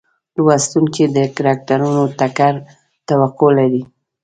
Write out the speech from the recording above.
لوستونکي د کرکټرونو ټکر توقع لري.